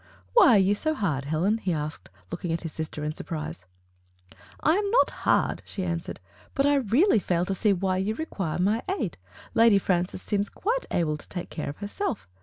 *' "Why are you so hard, Helen? he asked, looking at his sister in surprise. "I am not hard, she answered, "but I really fail to see why you require my aid. Lady Fran cis seems quite able to take care* of herself.